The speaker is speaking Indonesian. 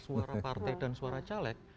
suara partai dan suara caleg